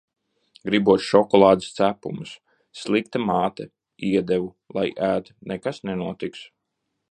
Gribot šokolādes cepumus. Slikta māte – iedevu. Lai ēd, nekas nenotiks.